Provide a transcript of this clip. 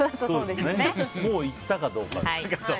もう行ったかどうかです。